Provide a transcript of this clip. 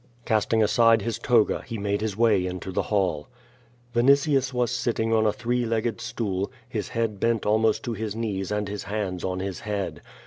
Casting aside his toga he made his way into the hall. Vinitius was sitting on a three legged stool, his head bent almost to his knees and his hands on his head.